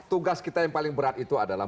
tugas kita yang paling berat itu adalah